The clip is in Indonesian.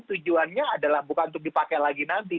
tujuannya adalah bukan untuk dipakai lagi nanti